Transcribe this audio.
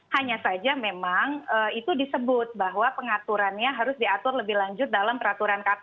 hanya saja memang itu disebut bahwa pengaturannya harus diatur lebih lanjut dalam peraturan kpu